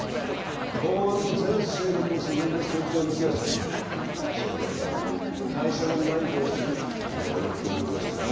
公安の全勢力を注いでそいつを見つけ出してやるそのためには会社の内部を知るお前の協力が必要だ